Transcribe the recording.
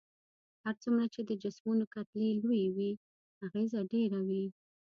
هر څومره چې د جسمونو کتلې لويې وي اغیزه ډیره وي.